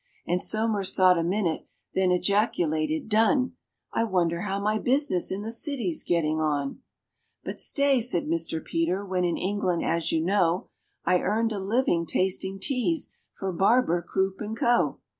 And SOMERS thought a minute, then ejaculated, "Done! I wonder how my business in the City's getting on?" "But stay," said MR. PETER: "when in England, as you know, I earned a living tasting teas for BARBER, CROOP, AND CO.